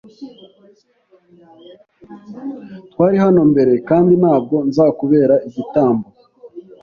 Twari hano mbere kandi ntabwo nzakubera igitambo